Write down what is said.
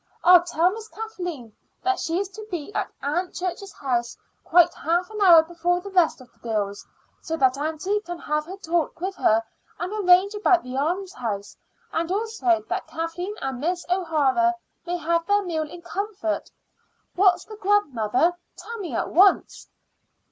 "I'll tell Miss Kathleen that she is to be at Aunt Church's house quite half an hour before the rest of the girls, so that aunty can have her talk with her and arrange about the almshouse, and also that Kathleen and Miss O'Hara may have their meal in comfort. What's the grub, mother? Tell me at once."